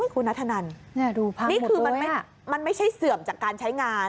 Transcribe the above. คุณนัทธนันนี่คือมันไม่ใช่เสื่อมจากการใช้งาน